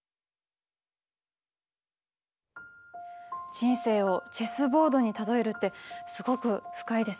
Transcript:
人生をチェスボードに例えるってすごく深いですよね。